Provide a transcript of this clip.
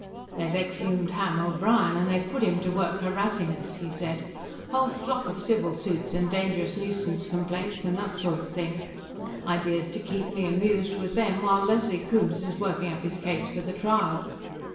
"They've exhumed Ham O'Brien, and they've put him to work harassing us," he said. "Whole flock of civil suits and dangerous nuisance complaints and that sort of thing; idea's to keep me amused with them while Leslie Coombes is working up his case for the trial.